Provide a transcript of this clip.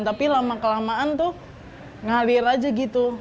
tapi lama kelamaan tuh ngalir aja gitu